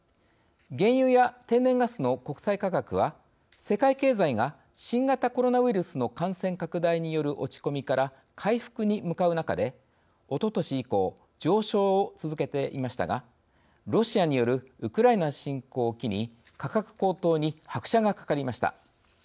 原油や天然ガスの国際価格は世界経済が新型コロナウイルスの感染拡大による落ち込みから回復に向かう中でおととし以降上昇を続けていましたがロシアによるウクライナ侵攻を機に価格高騰に拍車がかかりました。